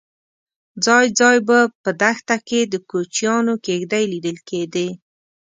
ځای ځای به په دښته کې د کوچیانو کېږدۍ لیدل کېدې.